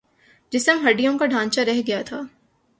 جسم ہڈیوں کا ڈھانچا رہ گیا تھا